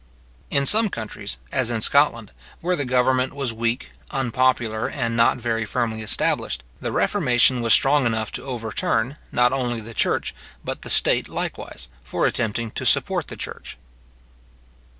In some countries, as in Scotland, where the government was weak, unpopular, and not very firmly established, the reformation was strong enough to overturn, not only the church, but the state likewise, for attempting to support the church.